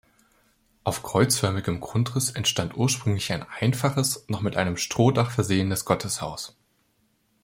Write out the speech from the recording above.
Auf kreuzförmigem Grundriss entstand ursprünglich ein einfaches, noch mit einem Strohdach versehenes Gotteshaus.